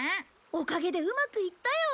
おかげでうまくいったよ。